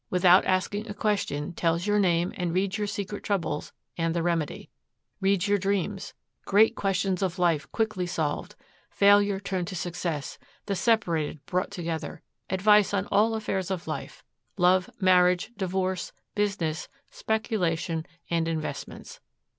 Without asking a question, tells your name and reads your secret troubles and the remedy. Reads your dreams. Great questions of life quickly solved. Failure turned to success, the separated brought together, advice on all affairs of life, love, marriage, divorce, business, speculation, and investments.